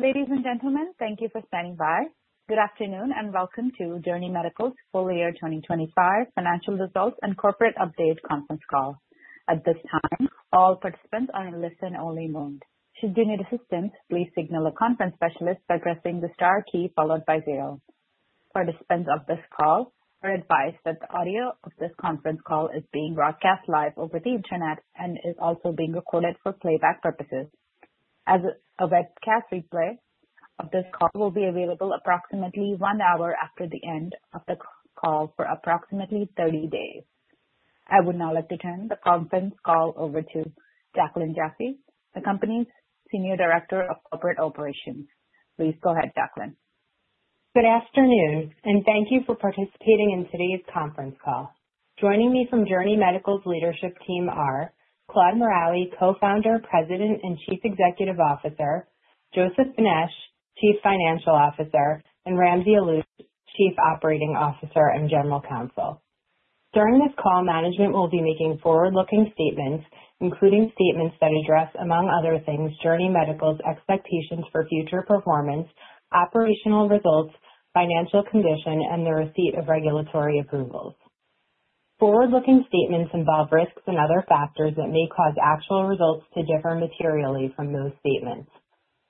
Ladies and gentlemen, thank you for standing by. Good afternoon, and welcome to Journey Medical's Full Year 2025 Financial Results and Corporate Update Conference Call. At this time, all participants are in listen-only mode. Should you need assistance, please signal a conference specialist by pressing the star key followed by zero. Participants of this call are advised that the audio of this conference call is being broadcast live over the Internet and is also being recorded for playback purposes. As a webcast replay of this call will be available approximately one hour after the end of the call for approximately 30 days. I would now like to turn the conference call over to Jaclyn Jaffe, the company's Senior Director of Corporate Operations. Please go ahead, Jaclyn. Good afternoon, and thank you for participating in today's conference call. Joining me from Journey Medical's leadership team are Claude Maraoui, Co-founder, President, and Chief Executive Officer, Joseph Benesch, Chief Financial Officer, and Ramsey Alloush, Chief Operating Officer and General Counsel. During this call, management will be making forward-looking statements, including statements that address, among other things, Journey Medical's expectations for future performance, operational results, financial condition, and the receipt of regulatory approvals. Forward-looking statements involve risks and other factors that may cause actual results to differ materially from those statements.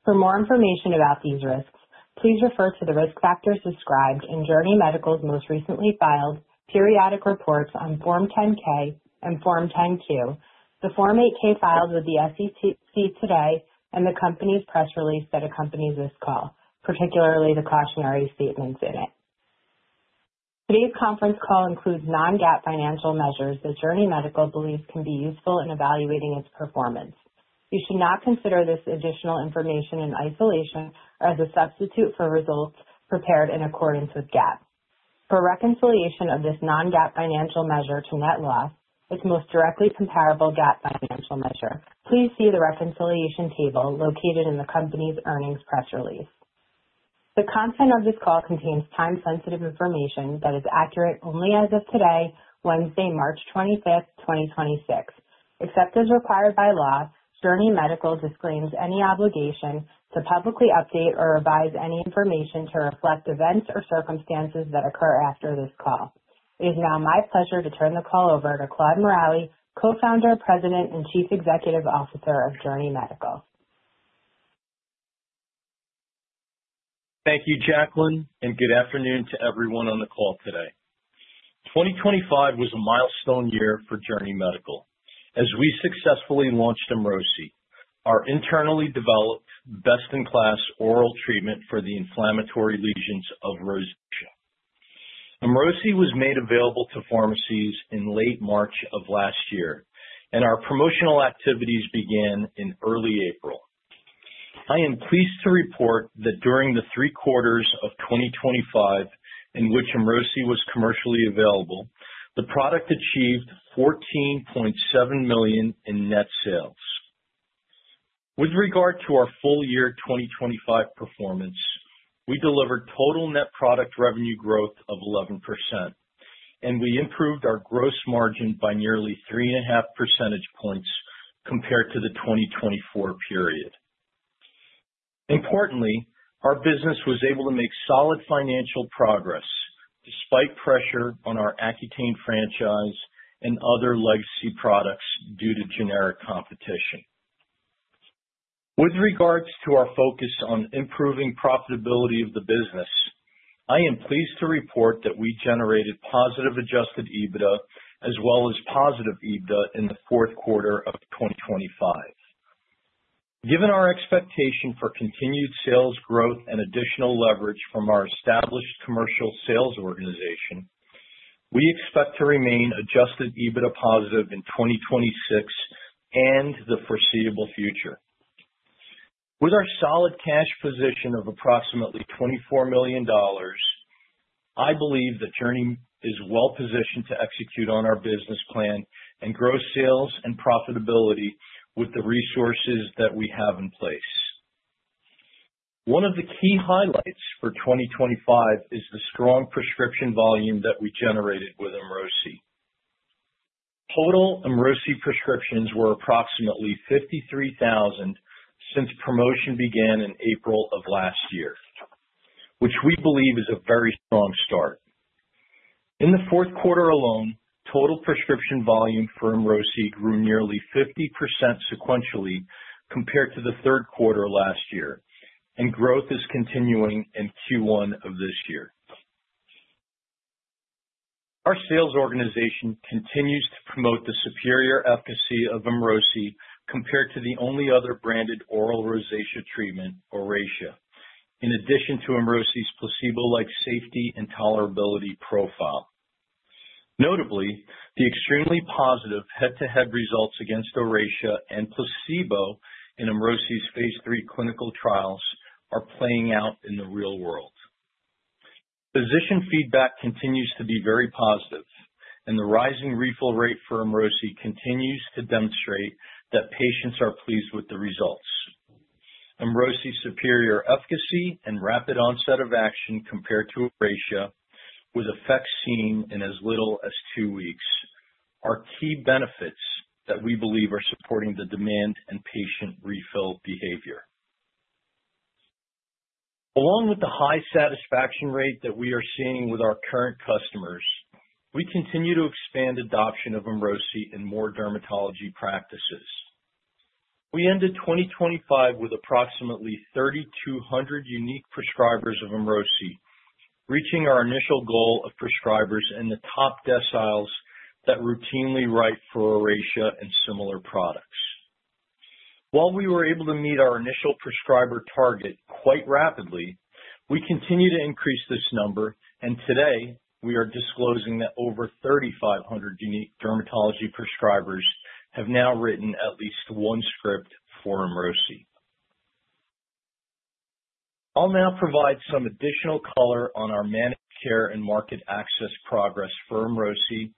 For more information about these risks, please refer to the risk factors described in Journey Medical's most recently filed periodic reports on Form 10-K and Form 10-Q, the Form 8-K filed with the SEC today, and the company's press release that accompanies this call, particularly the cautionary statements in it. Today's conference call includes non-GAAP financial measures that Journey Medical believes can be useful in evaluating its performance. You should not consider this additional information in isolation or as a substitute for results prepared in accordance with GAAP. For a reconciliation of this non-GAAP financial measure to net loss, its most directly comparable GAAP financial measure, please see the reconciliation table located in the company's earnings press release. The content of this call contains time-sensitive information that is accurate only as of today, Wednesday, March 25, 2026. Except as required by law, Journey Medical disclaims any obligation to publicly update or revise any information to reflect events or circumstances that occur after this call. It is now my pleasure to turn the call over to Claude Maraoui, Co-founder, President, and Chief Executive Officer of Journey Medical. Thank you, Jaclyn, and good afternoon to everyone on the call today. 2025 was a milestone year for Journey Medical as we successfully launched EMROSI, our internally developed best-in-class oral treatment for the inflammatory lesions of rosacea. EMROSI was made available to pharmacies in late March of last year, and our promotional activities began in early April. I am pleased to report that during the three quarters of 2025 in which EMROSI was commercially available, the product achieved $14.7 million in net sales. With regard to our full year 2025 performance, we delivered total net product revenue growth of 11%, and we improved our gross margin by nearly 3.5 percentage points compared to the 2024 period. Importantly, our business was able to make solid financial progress despite pressure on our Accutane franchise and other legacy products due to generic competition. With regards to our focus on improving profitability of the business, I am pleased to report that we generated positive adjusted EBITDA as well as positive EBITDA in the fourth quarter of 2025. Given our expectation for continued sales growth and additional leverage from our established commercial sales organization, we expect to remain adjusted EBITDA positive in 2026 and the foreseeable future. With our solid cash position of approximately $24 million, I believe that Journey is well positioned to execute on our business plan and grow sales and profitability with the resources that we have in place. One of the key highlights for 2025 is the strong prescription volume that we generated with EMROSI. Total EMROSI prescriptions were approximately 53,000 since promotion began in April of last year, which we believe is a very strong start. In the fourth quarter alone, total prescription volume for EMROSI grew nearly 50% sequentially compared to the third quarter last year, and growth is continuing in Q1 of this year. Our sales organization continues to promote the superior efficacy of EMROSI compared to the only other branded oral rosacea treatment, ORACEA, in addition to EMROSI's placebo-like safety and tolerability profile. Notably, the extremely positive head-to-head results against ORACEA and placebo in EMROSI's phase III clinical trials are playing out in the real world. Physician feedback continues to be very positive, and the rising refill rate for EMROSI continues to demonstrate that patients are pleased with the results. EMROSI's superior efficacy and rapid onset of action compared to ORACEA, with effects seen in as little as two weeks, are key benefits that we believe are supporting the demand and patient refill behavior. Along with the high satisfaction rate that we are seeing with our current customers, we continue to expand adoption of EMROSI in more dermatology practices. We ended 2025 with approximately 3,200 unique prescribers of EMROSI, reaching our initial goal of prescribers in the top deciles that routinely write for ORACEA and similar products. While we were able to meet our initial prescriber target quite rapidly, we continue to increase this number, and today we are disclosing that over 3,500 unique dermatology prescribers have now written at least one script for EMROSI. I'll now provide some additional color on our managed care and market access progress for EMROSI,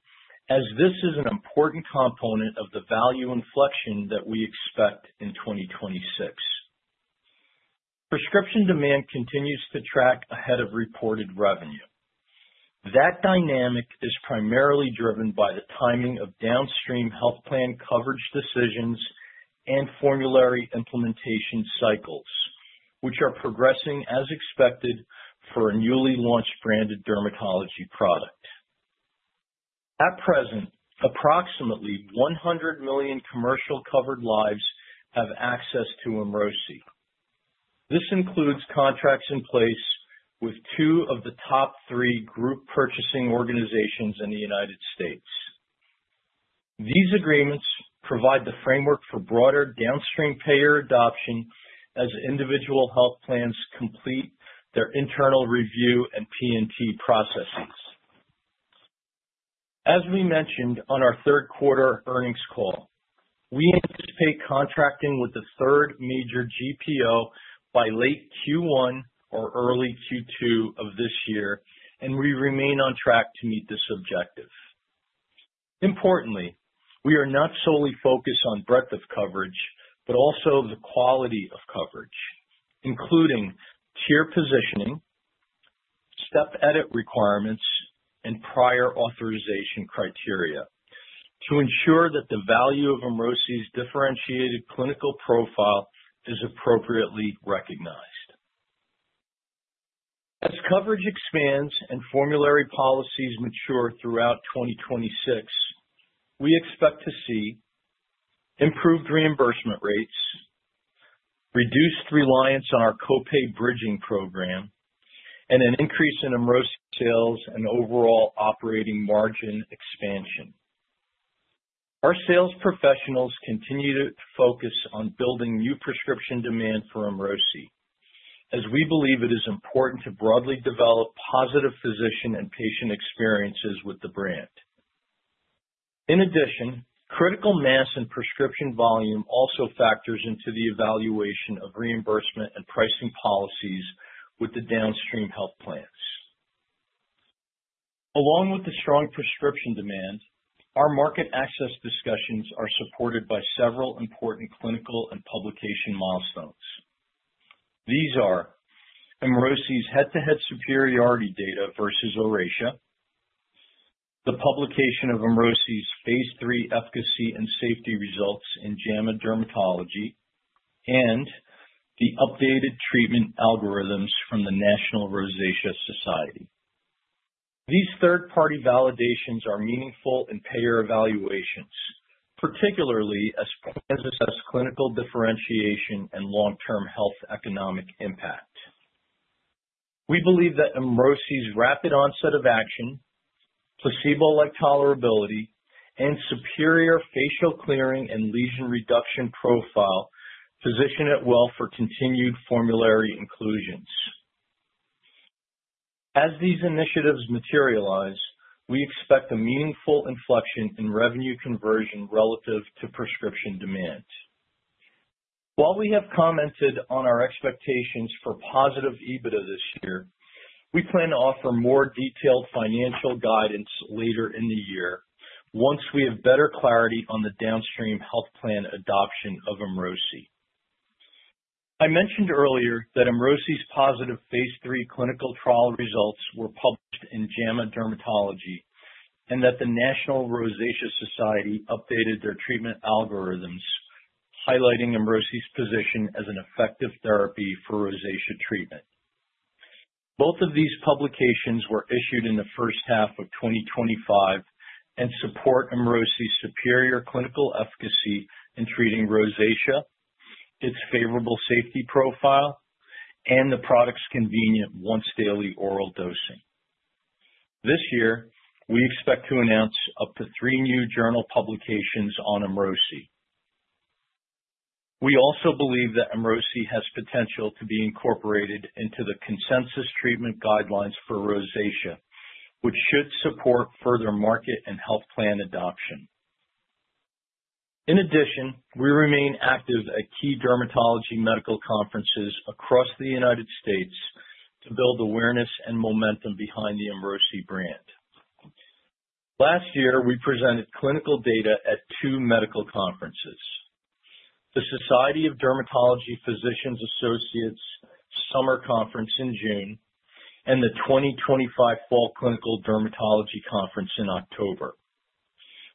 as this is an important component of the value inflection that we expect in 2026. Prescription demand continues to track ahead of reported revenue. That dynamic is primarily driven by the timing of downstream health plan coverage decisions and formulary implementation cycles, which are progressing as expected for a newly launched branded dermatology product. At present, approximately 100 million commercial covered lives have access to EMROSI. This includes contracts in place with two of the top three group purchasing organizations in the United States. These agreements provide the framework for broader downstream payer adoption as individual health plans complete their internal review and P&T processes. As we mentioned on our third quarter earnings call, we anticipate contracting with the third major GPO by late Q1 or early Q2 of this year, and we remain on track to meet this objective. Importantly, we are not solely focused on breadth of coverage, but also the quality of coverage, including tier positioning, step edit requirements, and prior authorization criteria to ensure that the value of EMROSI's differentiated clinical profile is appropriately recognized. As coverage expands and formulary policies mature throughout 2026, we expect to see improved reimbursement rates, reduced reliance on our co-pay bridging program, and an increase in EMROSI sales and overall operating margin expansion. Our sales professionals continue to focus on building new prescription demand for EMROSI as we believe it is important to broadly develop positive physician and patient experiences with the brand. In addition, critical mass and prescription volume also factors into the evaluation of reimbursement and pricing policies with the downstream health plans. Along with the strong prescription demand, our market access discussions are supported by several important clinical and publication milestones. These are EMROSI's head-to-head superiority data versus ORACEA, the publication of EMROSI's phase III efficacy and safety results in JAMA Dermatology, and the updated treatment algorithms from the National Rosacea Society. These third-party validations are meaningful in payer evaluations, particularly as they assess clinical differentiation and long-term health economic impact. We believe that EMROSI's rapid onset of action, placebo-like tolerability, and superior facial clearing and lesion reduction profile position it well for continued formulary inclusions. As these initiatives materialize, we expect a meaningful inflection in revenue conversion relative to prescription demand. While we have commented on our expectations for positive EBITDA this year, we plan to offer more detailed financial guidance later in the year once we have better clarity on the downstream health plan adoption of EMROSI. I mentioned earlier that EMROSI's positive phase III clinical trial results were published in JAMA Dermatology and that the National Rosacea Society updated their treatment algorithms, highlighting EMROSI's position as an effective therapy for rosacea treatment. Both of these publications were issued in the first half of 2025 and support EMROSI's superior clinical efficacy in treating rosacea, its favorable safety profile, and the product's convenient once-daily oral dosing. This year, we expect to announce up to three new journal publications on EMROSI. We also believe that EMROSI has potential to be incorporated into the consensus treatment guidelines for rosacea, which should support further market and health plan adoption. In addition, we remain active at key dermatology medical conferences across the United States to build awareness and momentum behind the EMROSI brand. Last year, we presented clinical data at two medical conferences. The Society of Dermatology Physician Associates Summer Conference in June and the 2025 Fall Clinical Dermatology Conference in October.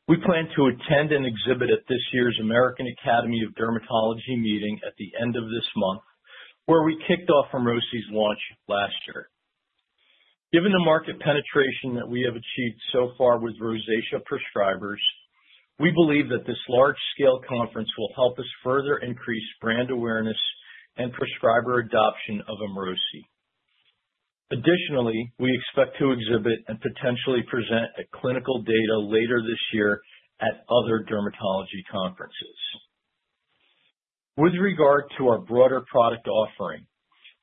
We plan to attend and exhibit at this year's American Academy of Dermatology meeting at the end of this month, where we kicked off EMROSI's launch last year. Given the market penetration that we have achieved so far with rosacea prescribers, we believe that this large-scale conference will help us further increase brand awareness and prescriber adoption of EMROSI. Additionally, we expect to exhibit and potentially present clinical data later this year at other dermatology conferences. With regard to our broader product offering,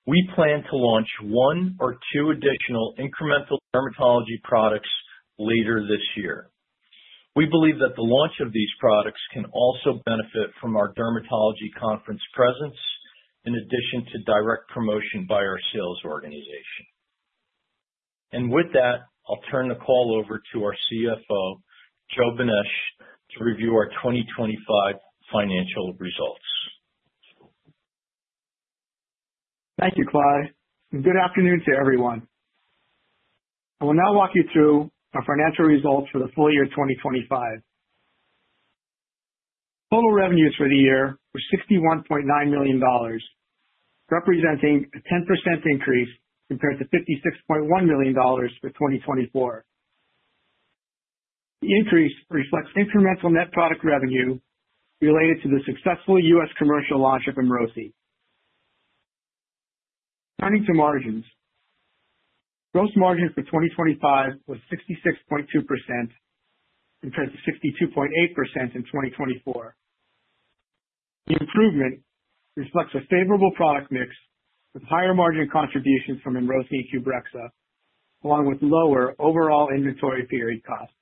we plan to launch one or two additional incremental dermatology products later this year. We believe that the launch of these products can also benefit from our dermatology conference presence in addition to direct promotion by our sales organization. With that, I'll turn the call over to our CFO, Joe Benesch, to review our 2025 financial results. Thank you, Claude, and good afternoon to everyone. I will now walk you through our financial results for the full year 2025. Total revenues for the year were $61.9 million, representing a 10% increase compared to $56.1 million for 2024. The increase reflects incremental net product revenue related to the successful U.S. commercial launch of EMROSI. Turning to margins. Gross margins for 2025 was 66.2% compared to 62.8% in 2024. The improvement reflects a favorable product mix with higher margin contributions from EMROSI QBREXZA, along with lower overall inventory period costs.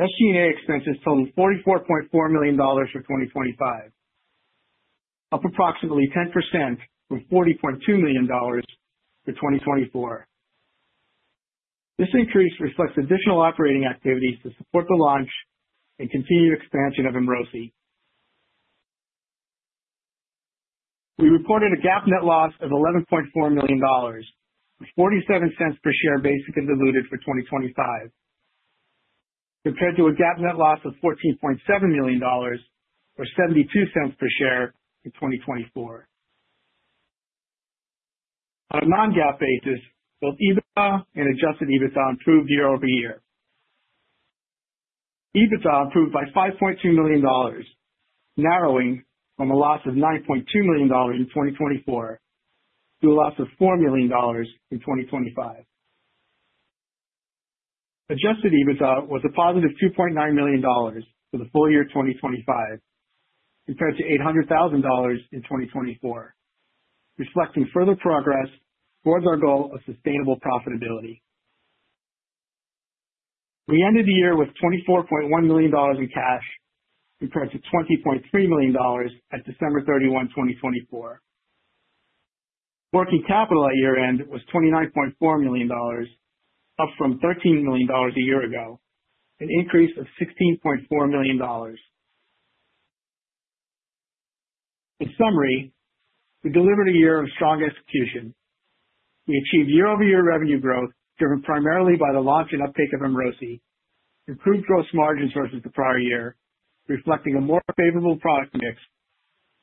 SG&A expenses totaled $44.4 million for 2025, up approximately 10% from $40.2 million for 2024. This increase reflects additional operating activities to support the launch and continued expansion of EMROSI. We reported a GAAP net loss of $11.4 million, $0.47 per share, basic and diluted for 2025, compared to a GAAP net loss of $14.7 million or $0.72 per share in 2024. On a non-GAAP basis, both EBITDA and adjusted EBITDA improved year-over-year. EBITDA improved by $5.2 million, narrowing from a loss of $9.2 million in 2024 to a loss of $4 million in 2025. Adjusted EBITDA was a positive $2.9 million for the full year 2025 compared to $800,000 in 2024, reflecting further progress towards our goal of sustainable profitability. We ended the year with $24.1 million in cash compared to $20.3 million at December 31, 2024. Working capital at year-end was $29.4 million, up from $13 million a year ago, an increase of $16.4 million. In summary, we delivered a year of strong execution. We achieved year-over-year revenue growth driven primarily by the launch and uptake of EMROSI, improved gross margins versus the prior year, reflecting a more favorable product mix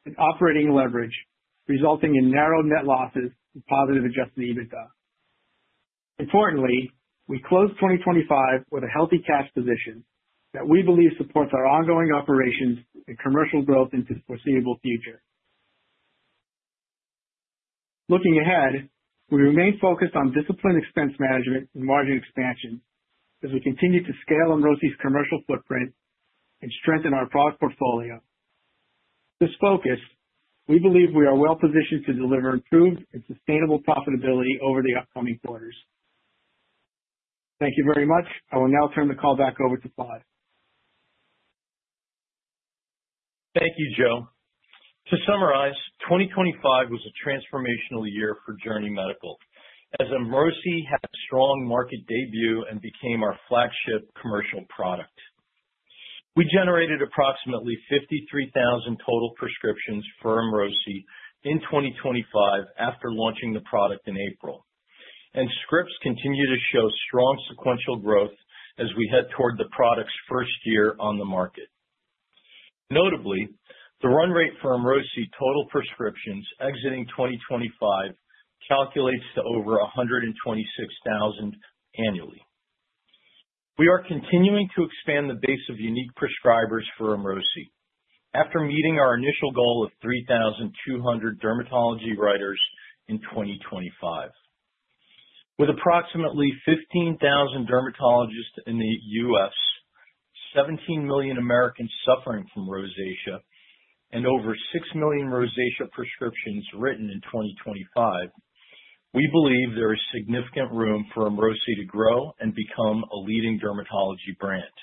and operating leverage, resulting in narrow net losses and positive adjusted EBITDA. Importantly, we closed 2025 with a healthy cash position that we believe supports our ongoing operations and commercial growth into the foreseeable future. Looking ahead, we remain focused on disciplined expense management and margin expansion as we continue to scale EMROSI's commercial footprint and strengthen our product portfolio. This focus, we believe we are well positioned to deliver improved and sustainable profitability over the upcoming quarters. Thank you very much. I will now turn the call back over to Claude Maraoui. Thank you, Joe. To summarize, 2025 was a transformational year for Journey Medical as EMROSI had a strong market debut and became our flagship commercial product. We generated approximately 53,000 total prescriptions for EMROSI in 2025 after launching the product in April, and scripts continue to show strong sequential growth as we head toward the product's first year on the market. Notably, the run rate for EMROSI total prescriptions exiting 2025 calculates to over 126,000 annually. We are continuing to expand the base of unique prescribers for EMROSI after meeting our initial goal of 3,200 dermatology writers in 2025. With approximately 15,000 dermatologists in the U.S., 17 million Americans suffering from rosacea, and over 6 million rosacea prescriptions written in 2025, we believe there is significant room for EMROSI to grow and become a leading dermatology brand.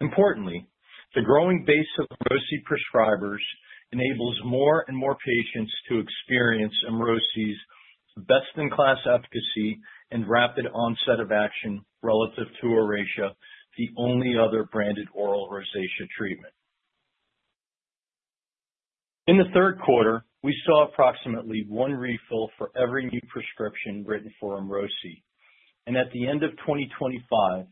Importantly, the growing base of EMROSI prescribers enables more and more patients to experience EMROSI's best-in-class efficacy and rapid onset of action relative to ORACEA, the only other branded oral rosacea treatment. In the third quarter, we saw approximately one refill for every new prescription written for EMROSI, and at the end of 2025,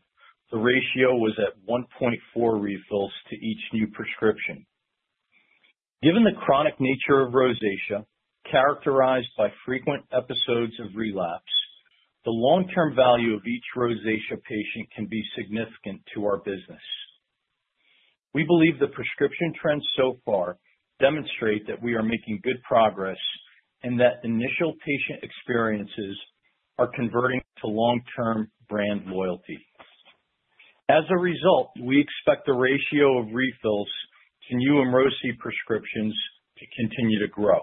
the ratio was at 1.4 refills to each new prescription. Given the chronic nature of rosacea, characterized by frequent episodes of relapse, the long-term value of each rosacea patient can be significant to our business. We believe the prescription trends so far demonstrate that we are making good progress and that initial patient experiences are converting to long-term brand loyalty. As a result, we expect the ratio of refills to new EMROSI prescriptions to continue to grow.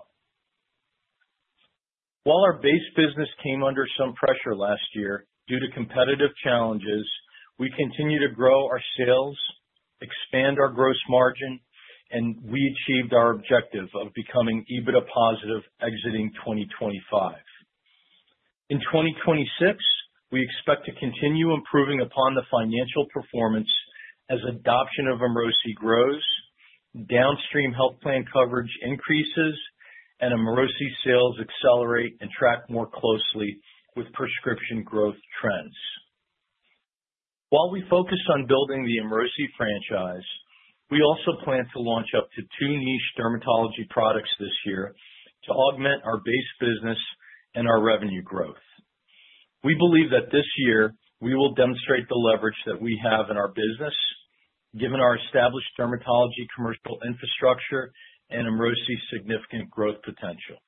While our base business came under some pressure last year due to competitive challenges, we continue to grow our sales, expand our gross margin, and we achieved our objective of becoming EBITDA positive exiting 2025. In 2026, we expect to continue improving upon the financial performance as adoption of EMROSI grows, downstream health plan coverage increases, and EMROSI sales accelerate and track more closely with prescription growth trends. While we focus on building the EMROSI franchise, we also plan to launch up to two niche dermatology products this year to augment our base business and our revenue growth. We believe that this year we will demonstrate the leverage that we have in our business given our established dermatology commercial infrastructure and EMROSI's significant growth potential.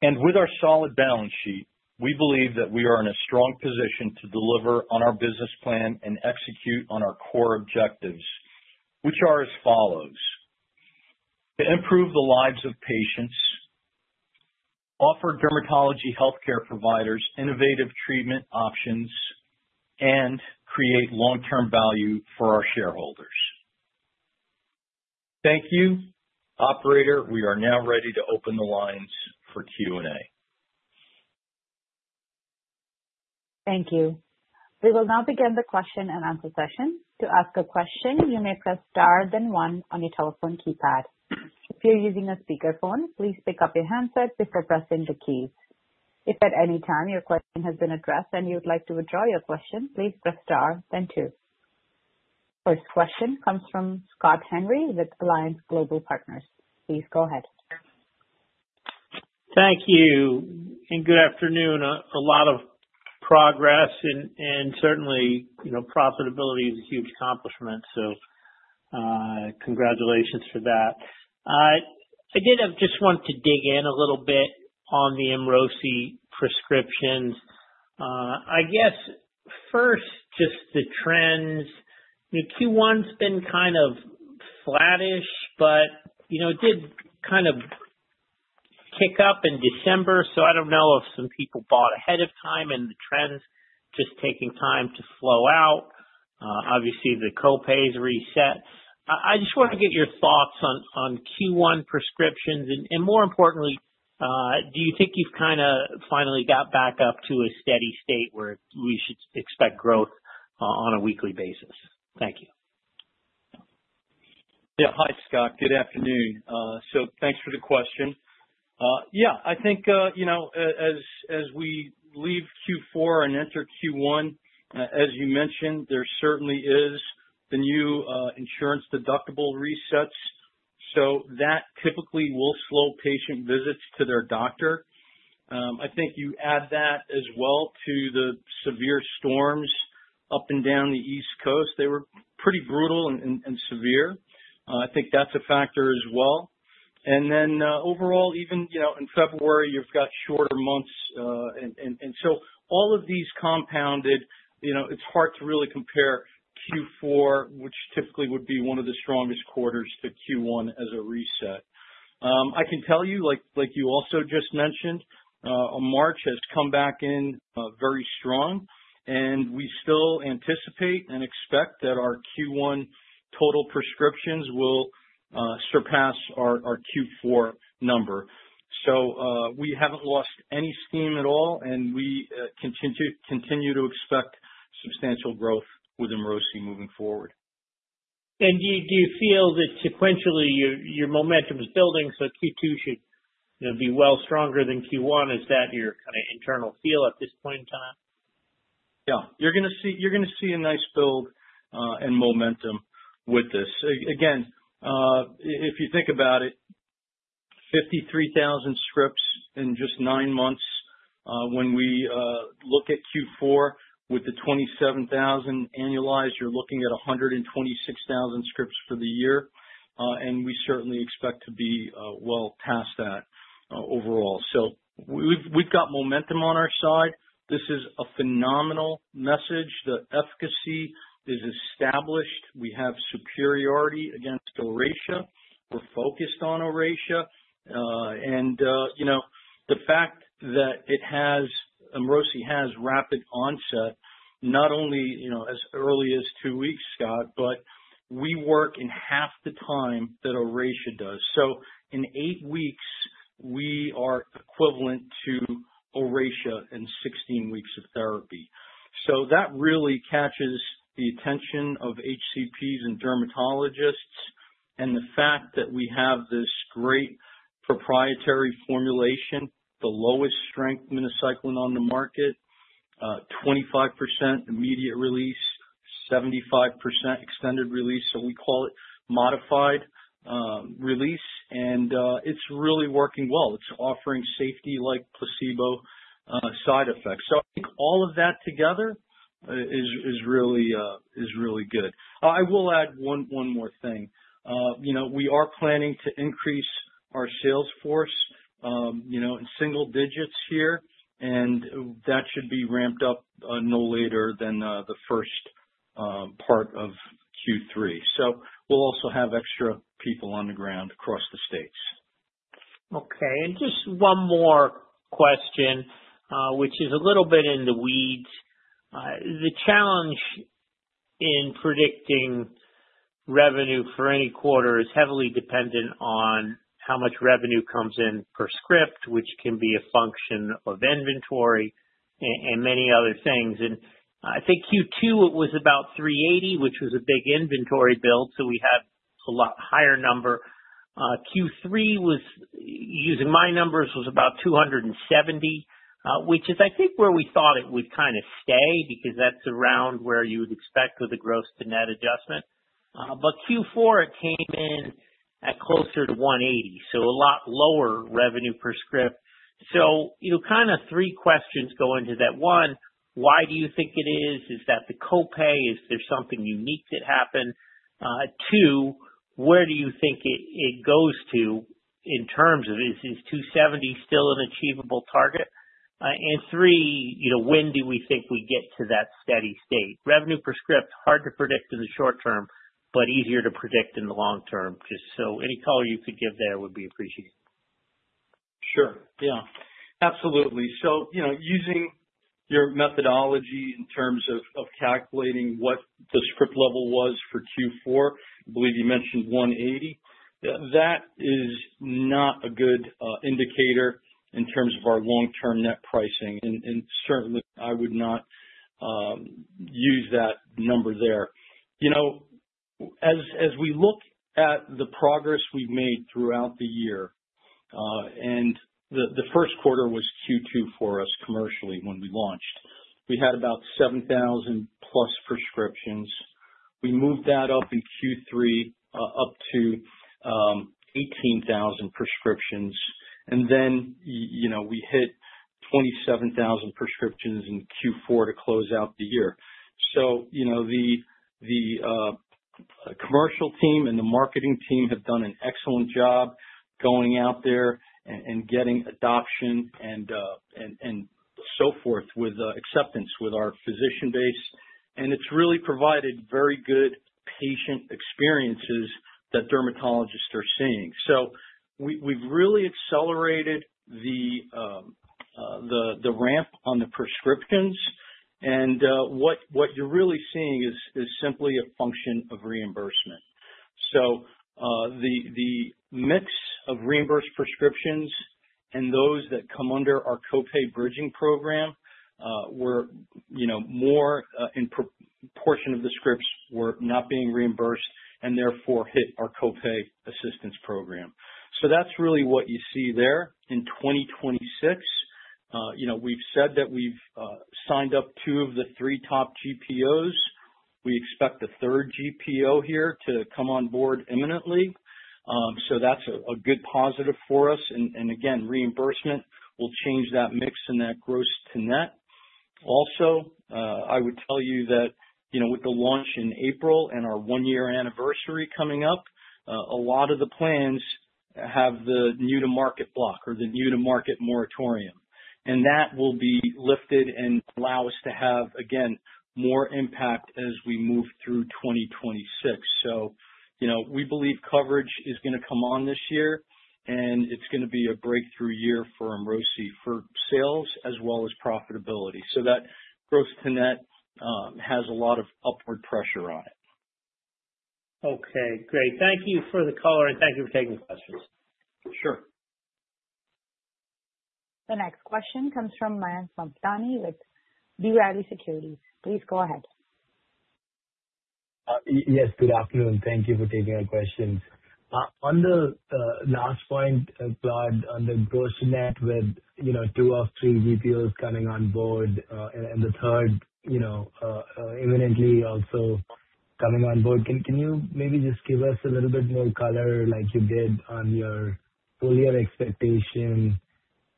With our solid balance sheet, we believe that we are in a strong position to deliver on our business plan and execute on our core objectives, which are as follows. To improve the lives of patients, offer dermatology healthcare providers innovative treatment options, and create long-term value for our shareholders. Thank you. Operator, we are now ready to open the lines for Q&A. Thank you. We will now begin the Q&A session. To ask a question, you may press star then one on your telephone keypad. If you're using a speakerphone, please pick up your handset before pressing the keys. If at any time your question has been addressed and you'd like to withdraw your question, please press star then two. First question comes from Scott Henry with Alliance Global Partners. Please go ahead. Thank you, and good afternoon. A lot of progress and certainly, you know, profitability is a huge accomplishment, so congratulations for that. I did just want to dig in a little bit on the EMROSI prescriptions. I guess first, just the trends. You know, Q1's been kind of flattish but, you know, it did kind of kick up in December, so I don't know if some people bought ahead of time and the trend's just taking time to flow out. Obviously the copay is reset. I just wanna get your thoughts on Q1 prescriptions. More importantly, do you think you've kinda finally got back up to a steady state where we should expect growth on a weekly basis? Thank you. Yeah. Hi, Scott. Good afternoon. So thanks for the question. Yeah, I think, you know, as we leave Q4 and enter Q1, as you mentioned, there certainly is the new insurance deductible resets, so that typically will slow patient visits to their doctor. I think you add that as well to the severe storms up and down the East Coast. They were pretty brutal and severe. I think that's a factor as well. Then, overall, even, you know, in February, you've got shorter months. So all of these compounded, you know, it's hard to really compare Q4, which typically would be one of the strongest quarters to Q1 as a reset. I can tell you, like you also just mentioned, March has come back in very strong and we still anticipate and expect that our Q1 total prescriptions will surpass our Q4 number. We haven't lost any steam at all, and we continue to expect substantial growth with EMROSI moving forward. Do you feel that sequentially your momentum is building, so Q2 should, you know, be well stronger than Q1? Is that your kinda internal feel at this point in time? Yeah. You're gonna see a nice build and momentum with this. If you think about it, 53,000 scripts in just nine months. When we look at Q4 with the 27,000 annualized, you're looking at 126,000 scripts for the year, and we certainly expect to be well past that overall. We've got momentum on our side. This is a phenomenal message. The efficacy is established. We have superiority against ORACEA. We're focused on ORACEA. The fact that it has, EMROSI has rapid onset, not only as early as two weeks, Scott, but we work in half the time that ORACEA does. In eight weeks, we are equivalent to ORACEA in sixteen weeks of therapy. That really catches the attention of HCPs and dermatologists and the fact that we have this great proprietary formulation, the lowest strength minocycline on the market, 25% immediate release, 75% extended release. We call it modified release. It's really working well. It's offering safety like placebo side effects. I think all of that together is really good. I will add one more thing. You know, we are planning to increase our sales force, you know, in single digits here, and that should be ramped up no later than the first part of Q3. We'll also have extra people on the ground across the States. Okay. Just one more question, which is a little bit in the weeds. The challenge in predicting revenue for any quarter is heavily dependent on how much revenue comes in per script, which can be a function of inventory and many other things. I think Q2, it was about $380, which was a big inventory build, so we had a lot higher number. Q3 was, using my numbers, about $270, which is, I think, where we thought it would kind of stay, because that's around where you would expect with the gross to net adjustment. Q4, it came in at closer to $180, so a lot lower revenue per script. You know, kind of three questions go into that. One, why do you think it is? Is that the copay? Is there something unique that happened? Two, where do you think it goes to in terms of is 270 still an achievable target? Three, you know, when do we think we get to that steady state? Revenue per script, hard to predict in the short term, but easier to predict in the long term. Just so any color you could give there would be appreciated. Sure. Yeah. Absolutely. You know, using your methodology in terms of of calculating what the script level was for Q4, I believe you mentioned 180. That is not a good indicator in terms of our long-term net pricing. Certainly I would not use that number there. You know, as we look at the progress we've made throughout the year, and the first quarter was Q2 for us commercially when we launched. We had about 7,000+ prescriptions. We moved that up in Q3 up to 18,000 prescriptions. Then you know, we hit 27,000 prescriptions in Q4 to close out the year. You know, the commercial team and the marketing team have done an excellent job going out there and getting adoption and so forth with acceptance with our physician base. It's really provided very good patient experiences that dermatologists are seeing. We've really accelerated the ramp on the prescriptions. What you're really seeing is simply a function of reimbursement. The mix of reimbursed prescriptions and those that come under our copay bridging program were, you know, more in proportion of the scripts were not being reimbursed and therefore hit our copay assistance program. That's really what you see there in 2026. We've said that we've signed up two of the three top GPOs. We expect the third GPO here to come on board imminently. That's a good positive for us. Again, reimbursement will change that mix and that gross-to-net. Also, I would tell you that, you know, with the launch in April and our one-year anniversary coming up, a lot of the plans have the new-to-market block or the new-to-market moratorium, and that will be lifted and allow us to have, again, more impact as we move through 2026. You know, we believe coverage is gonna come on this year, and it's gonna be a breakthrough year for EMROSI for sales as well as profitability. That gross-to-net has a lot of upward pressure on it. Okay, great. Thank you for the color, and thank you for taking the questions. Sure. The next question comes from Mayank Mamtani with B. Riley Securities. Please go ahead. Yes, good afternoon. Thank you for taking our questions. On the last point, Claude, on the gross-to-nets with, you know, two of three GPOs coming on board, and the third, you know, imminently also coming on board, can you maybe just give us a little bit more color like you did on your full year expectation?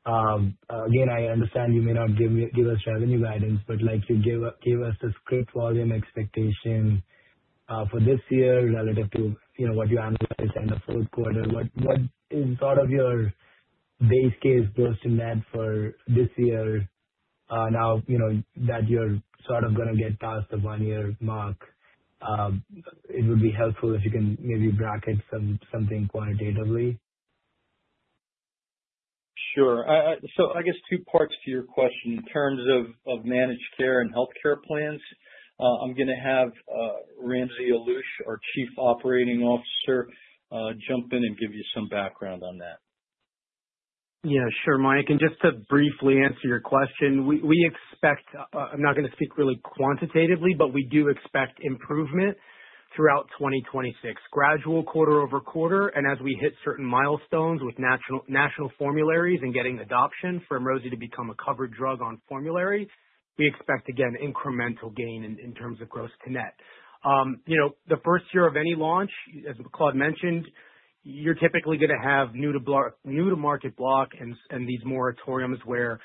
Again, I understand you may not give us revenue guidance, but like you give us a script volume expectation for this year relative to, you know, what you anticipate in the fourth quarter. What is sort of your base case gross-to-nets for this year, now, you know, that you're sort of gonna get past the one-year mark? It would be helpful if you can maybe bracket something quantitatively. Sure. I guess two parts to your question. In terms of managed care and healthcare plans, I'm gonna have Ramsey Alloush, our Chief Operating Officer, jump in and give you some background on that. Yeah. Sure, Mayank. Just to briefly answer your question, we expect improvement throughout 2026. Gradual quarter-over-quarter, and as we hit certain milestones with national formularies and getting adoption for EMROSI to become a covered drug on formulary, we expect, again, incremental gain in terms of gross-to-nets. You know, the first year of any launch, as Claude mentioned, you're typically gonna have new-to-market block and these moratoriums where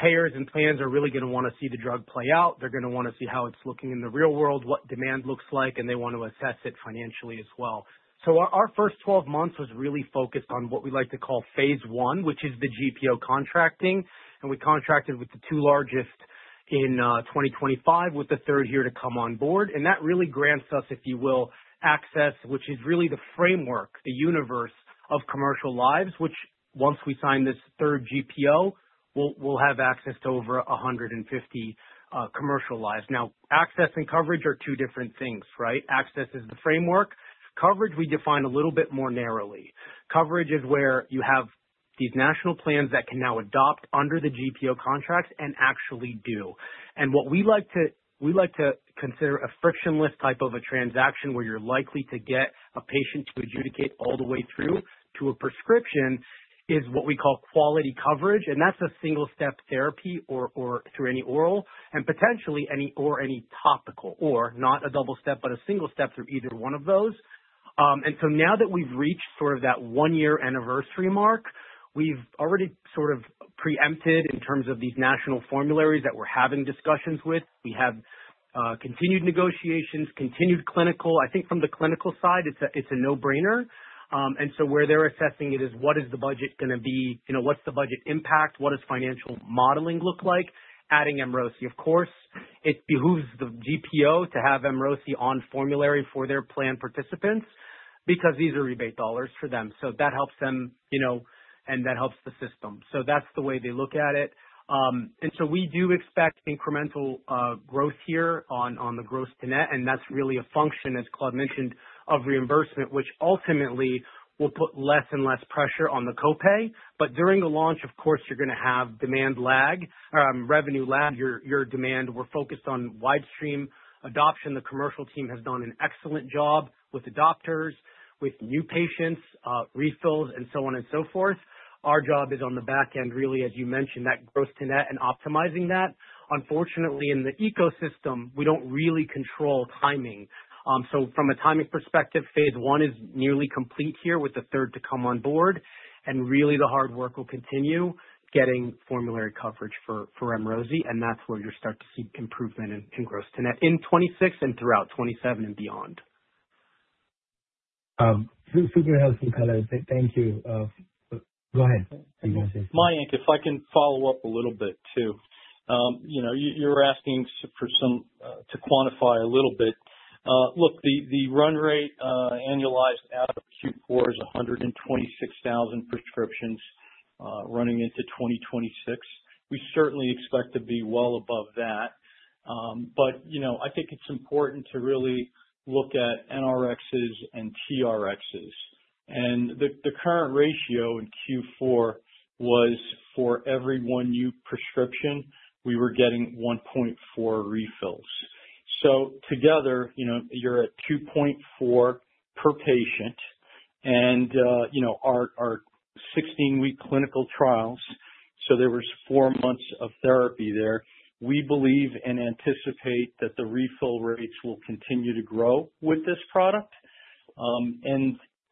payers and plans are really gonna wanna see the drug play out. They're gonna wanna see how it's looking in the real world, what demand looks like, and they want to assess it financially as well. Our first 12 months was really focused on what we like to call phase I, which is the GPO contracting, and we contracted with the two largest in 2025, with the third GPO to come on board. That really grants us, if you will, access, which is really the framework, the universe of commercial lives, which once we sign this third GPO, we'll have access to over 150 commercial lives. Now, access and coverage are two different things, right? Access is the framework. Coverage we define a little bit more narrowly. Coverage is where you have these national plans that can now adopt under the GPO contracts and actually do. What we like to consider a frictionless type of a transaction where you're likely to get a patient to adjudicate all the way through to a prescription is what we call quality coverage. That's a single step therapy or through any oral and potentially any topical, or not a double step, but a single step through either one of those. Now that we've reached sort of that one year anniversary mark, we've already sort of preempted in terms of these national formularies that we're having discussions with. We have continued negotiations, continued clinical. I think from the clinical side, it's a no-brainer. Where they're assessing it is what is the budget gonna be, you know, what's the budget impact, what does financial modeling look like adding EMROSI? Of course, it behooves the GPO to have EMROSI on formulary for their plan participants because these are rebate dollars for them. That helps them, you know, and that helps the system. That's the way they look at it. We do expect incremental growth here on the gross-to-net, and that's really a function, as Claude mentioned, of reimbursement, which ultimately will put less and less pressure on the copay. During the launch, of course, you're gonna have demand lag, revenue lag. Your demand, we're focused on wide stream adoption. The commercial team has done an excellent job with the doctors, with new patients, refills and so on and so forth. Our job is on the back end, really, as you mentioned, that gross-to-net and optimizing that. Unfortunately, in the ecosystem, we don't really control timing. From a timing perspective, phase I is nearly complete here with the third to come on board. Really the hard work will continue getting formulary coverage for EMROSI, and that's where you'll start to see improvement in gross-to-nets in 2026 and throughout 2027 and beyond. Super helpful. Thank you. Go ahead. Mayank, if I can follow up a little bit too. You know, you're asking for some to quantify a little bit. Look, the run rate annualized out of Q4 is 126,000 prescriptions running into 2026. We certainly expect to be well above that. You know, I think it's important to really look at NRx and TRx. The current ratio in Q4 was for every one new prescription, we were getting 1.4 refills. Together, you know, you're at 2.4 per patient and our 16-week clinical trials, so there was four months of therapy there. We believe and anticipate that the refill rates will continue to grow with this product.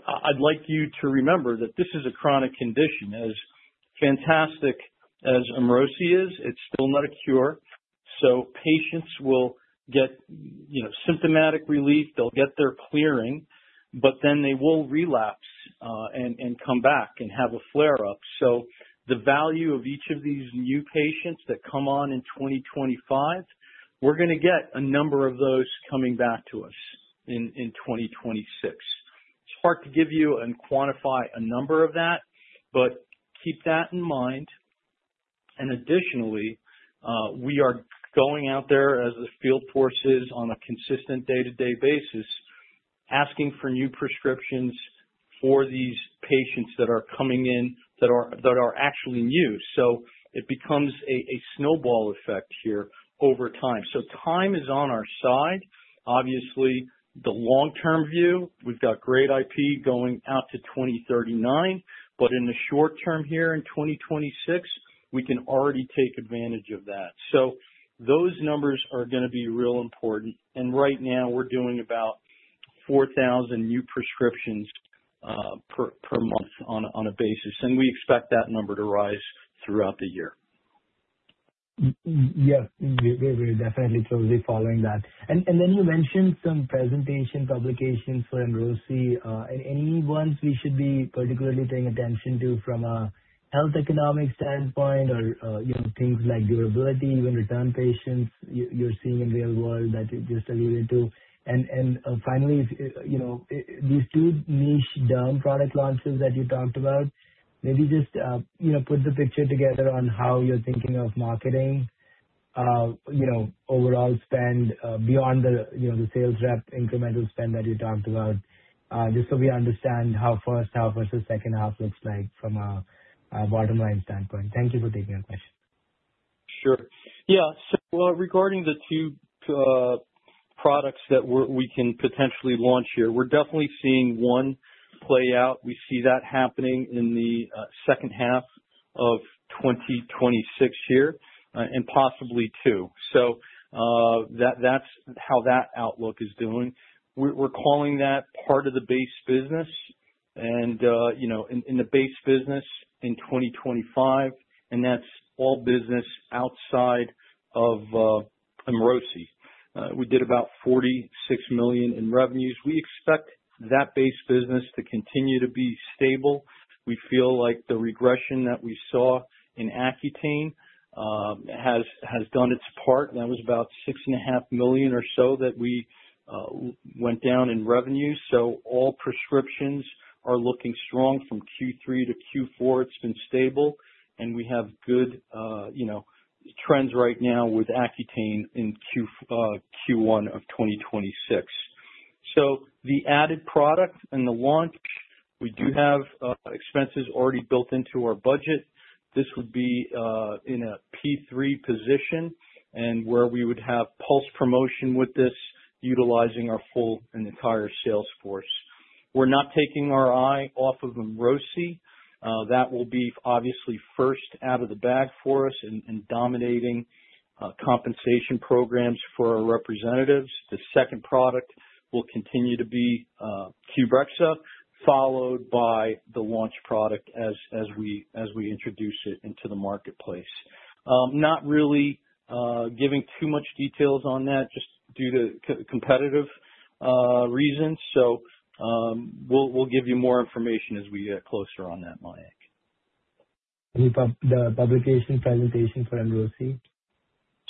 I'd like you to remember that this is a chronic condition. As fantastic as EMROSI is, it's still not a cure. Patients will get, you know, symptomatic relief. They'll get their clearing, but then they will relapse and come back and have a flare up. The value of each of these new patients that come on in 2025, we're gonna get a number of those coming back to us in 2026. It's hard to give you and quantify a number of that, but keep that in mind. Additionally, we are going out there as the field force is on a consistent day-to-day basis, asking for new prescriptions for these patients that are coming in that are actually new. It becomes a snowball effect here over time. Time is on our side. Obviously, the long-term view, we've got great IP going out to 2039. In the short term here in 2026, we can already take advantage of that. Those numbers are gonna be real important. Right now, we're doing about 4,000 new prescriptions per month on a basis. We expect that number to rise throughout the year. Yes. We're definitely closely following that. Then you mentioned some presentation publications for EMROSI. Any ones we should be particularly paying attention to from a health economic standpoint or, you know, things like durability when return patients you're seeing in real world that you just alluded to. Finally, if these two niche derm product launches that you talked about, maybe just put the picture together on how you're thinking of marketing. You know, overall spend beyond the you know, the sales rep incremental spend that you talked about, just so we understand how first half versus second half looks like from a bottom-line standpoint. Thank you for taking my question. Sure. Yeah. Regarding the two products that we can potentially launch here, we're definitely seeing one play out. We see that happening in the second half of 2026 here, and possibly two. That's how that outlook is doing. We're calling that part of the base business and, you know, in the base business in 2025, and that's all business outside of EMROSI. We did about $46 million in revenues. We expect that base business to continue to be stable. We feel like the regression that we saw in Accutane has done its part. That was about $6.5 million or so that we went down in revenues. All prescriptions are looking strong from Q3 to Q4, it's been stable and we have good, you know, trends right now with Accutane in Q1 of 2026. The added product and the launch, we do have expenses already built into our budget. This would be in a P3 position and where we would have pulse promotion with this utilizing our full and entire sales force. We're not taking our eye off of EMROSI. That will be obviously first out of the bag for us, in dominating compensation programs for our representatives. The second product will continue to be QBREXZA, followed by the launch product as we introduce it into the marketplace. Not really giving too much details on that just due to competitive reasons. We'll give you more information as we get closer on that, Mayank. Any publication presentation for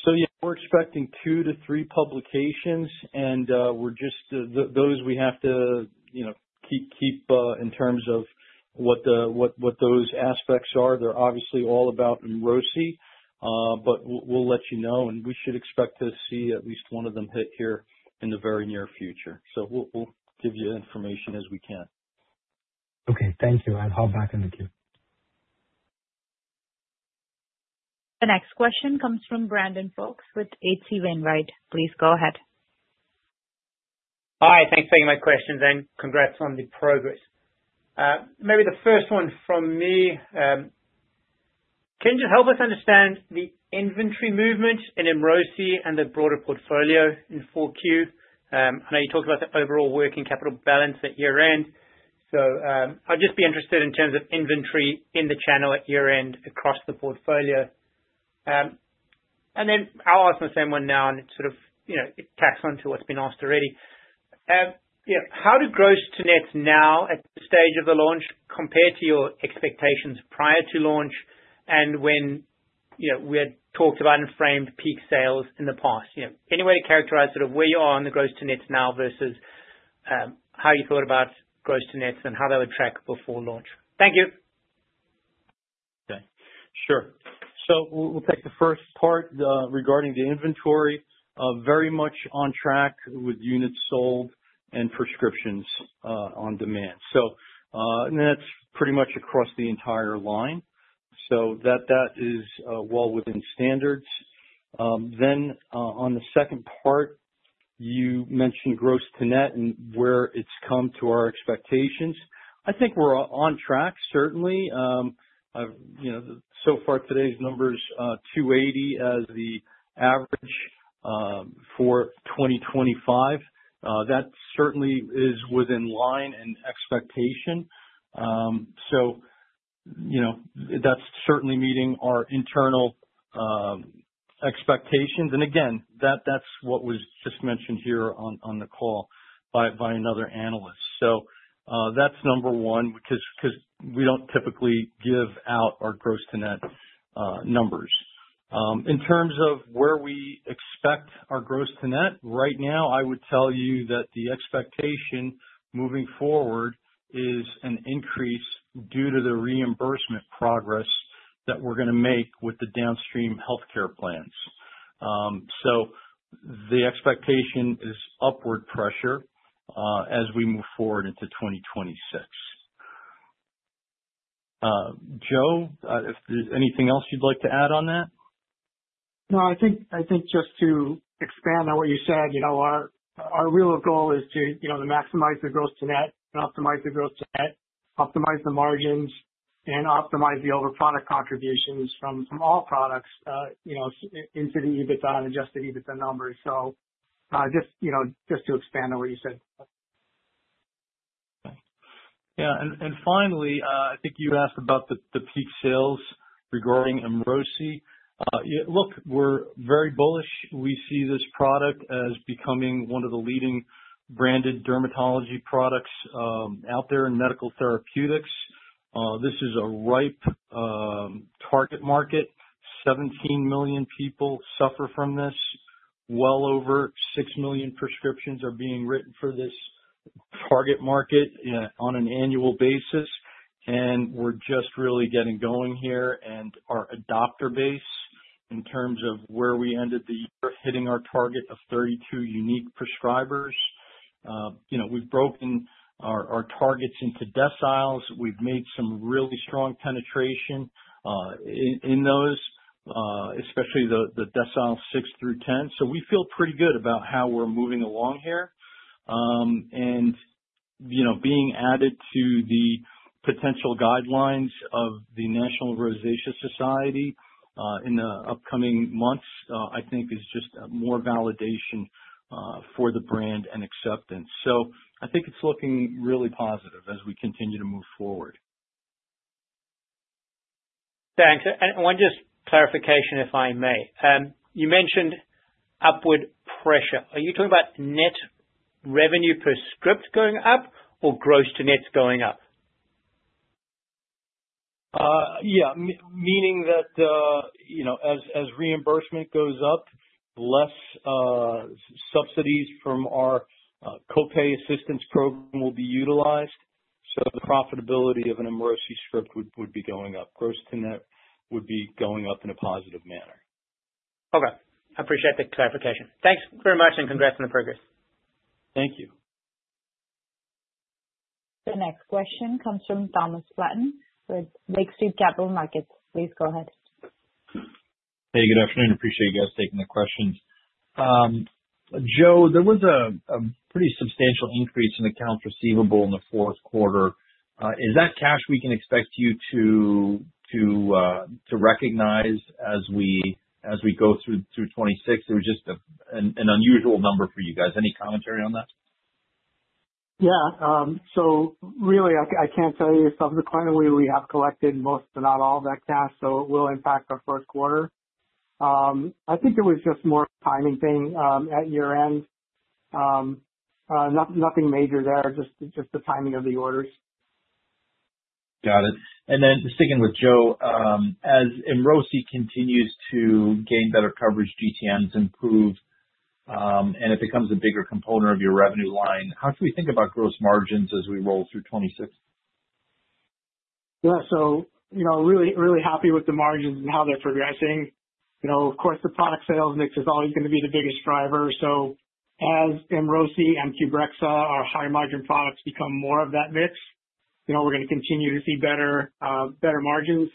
EMROSI? Yeah, we're expecting two to three publications and those we have to, you know, keep in terms of what those aspects are. They're obviously all about EMROSI. But we'll let you know, and we should expect to see at least one of them hit here in the very near future. We'll give you information as we can. Okay, thank you. I'll hop back in the queue. The next question comes from Brandon Folkes with H.C. Wainwright. Please go ahead. Hi, thanks for taking my questions, and congrats on the progress. Maybe the first one from me, can you help us understand the inventory movement in EMROSI and the broader portfolio in Q4? I know you talked about the overall working capital balance at year-end, so, I'd just be interested in terms of inventory in the channel at year-end across the portfolio. I'll ask the same one now, and it sort of, you know, it tacks on to what's been asked already. You know, how did gross-to-net now at this stage of the launch compare to your expectations prior to launch and when, you know, we had talked about and framed peak sales in the past? You know, any way to characterize sort of where you are on the gross to net now versus how you thought about gross to net and how that would track before launch? Thank you. Okay, sure. We'll take the first part regarding the inventory. Very much on track with units sold and prescriptions on demand. That's pretty much across the entire line. That is well within standards. On the second part, you mentioned gross to net and where it's come to our expectations. I think we're on track, certainly. You know, so far today's numbers, 280 as the average for 2025. That certainly is in line with expectation. You know, that's certainly meeting our internal expectations. Again, that's what was just mentioned here on the call by another analyst. That's number one because we don't typically give out our gross to net numbers. In terms of where we expect our gross to net, right now, I would tell you that the expectation moving forward is an increase due to the reimbursement progress that we're gonna make with the downstream healthcare plans. The expectation is upward pressure as we move forward into 2026. Joe, if there's anything else you'd like to add on that? No, I think just to expand on what you said, you know, our real goal is to, you know, maximize the gross-to-net and optimize the gross-to-net, optimize the margins, and optimize the overall product contributions from all products, you know, into the EBITDA and adjusted EBITDA numbers. Just to expand on what you said. Yeah. Finally, I think you asked about the peak sales regarding EMROSI. Yeah, look, we're very bullish. We see this product as becoming one of the leading branded dermatology products out there in medical therapeutics. This is a ripe target market. 17 million people suffer from this. Well over 6 million prescriptions are being written for this target market on an annual basis. We're just really getting going here. Our adopter base in terms of where we ended the year, hitting our target of 32 unique prescribers. You know, we've broken our targets into deciles. We've made some really strong penetration in those, especially the decile six through 10. We feel pretty good about how we're moving along here. You know, being added to the potential guidelines of the National Rosacea Society in the upcoming months, I think is just more validation for the brand and acceptance. I think it's looking really positive as we continue to move forward. Thanks. Just one clarification, if I may. You mentioned upward pressure. Are you talking about net revenue per script going up or gross-to-nets going up? Yeah. Meaning that, you know, as reimbursement goes up, less subsidies from our co-pay assistance program will be utilized, so the profitability of an EMROSI script would be going up. Gross-to-net would be going up in a positive manner. Okay. I appreciate the clarification. Thanks very much, and congrats on the progress. Thank you. The next question comes from Thomas Flaten with Lake Street Capital Markets. Please go ahead. Hey, good afternoon. Appreciate you guys taking the questions. Joe, there was a pretty substantial increase in accounts receivable in the fourth quarter. Is that cash we can expect you to recognize as we go through 2026? It was just an unusual number for you guys. Any commentary on that? Yeah. Really, I can tell you subsequently we have collected most, if not all of that cash, so it will impact our first quarter. I think it was just a timing thing at year-end. Nothing major there, just the timing of the orders. Got it. Just sticking with Joe, as EMROSI continues to gain better coverage, gross-to-nets improve, and it becomes a bigger component of your revenue line, how should we think about gross margins as we roll through 2026? Yeah. You know, really, really happy with the margins and how they're progressing. You know, of course, the product sales mix is always gonna be the biggest driver. As EMROSI and QBREXZA, our high margin products, become more of that mix, you know, we're gonna continue to see better margins.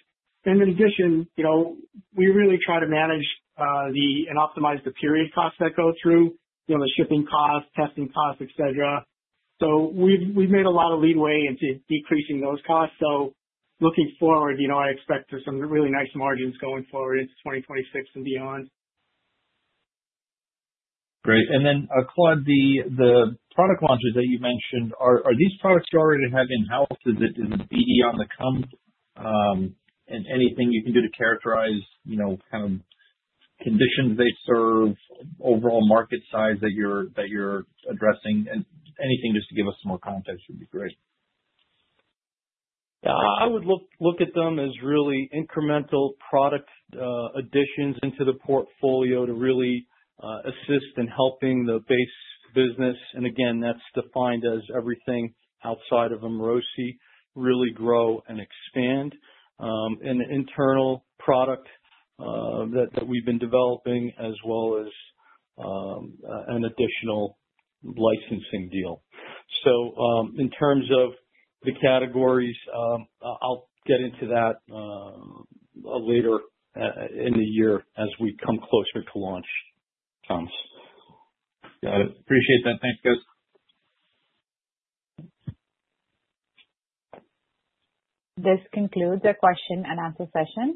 In addition, you know, we really try to manage and optimize the period costs that go through. You know, the shipping costs, testing costs, et cetera. We've made a lot of leeway into decreasing those costs. Looking forward, you know, I expect there's some really nice margins going forward into 2026 and beyond. Great. Claude, the product launches that you mentioned, are these products you already have in-house? Is it in BD on the come? Anything you can do to characterize, you know, kind of conditions they serve, overall market size that you're addressing, and anything just to give us some more context would be great. Yeah. I would look at them as really incremental product additions into the portfolio to really assist in helping the base business, and again, that's defined as everything outside of EMROSI really grow and expand. An internal product that we've been developing as well as an additional licensing deal. In terms of the categories, I'll get into that later in the year as we come closer to launch, Thomas. Got it. Appreciate that. Thanks, guys. This concludes the Q&A session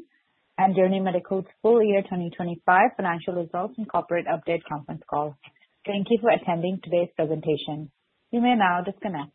and Journey Medical's full year 2025 financial results and corporate update conference call. Thank you for attending today's presentation. You may now disconnect.